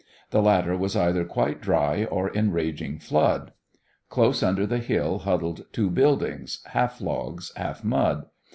The latter was either quite dry or in raging flood. Close under the hill huddled two buildings, half logs, half mud.